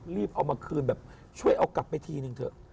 รีบเอามาคืนช่วยเอากลับไปทีหนึ่งเถอะ